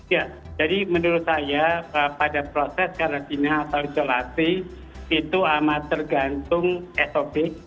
ya jadi menurut saya pada proses karantina atau isolasi itu amat tergantung sop